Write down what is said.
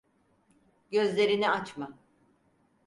Gözlerini açma.